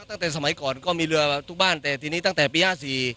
ตั้งแต่สมัยก่อนก็มีเรือทุกบ้านแต่ทีนี้ตั้งแต่ปีห้าสี่